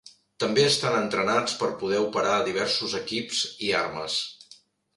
També estan entrenats per poder operar diversos equips i armes.